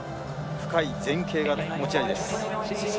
深い前傾が持ち味です。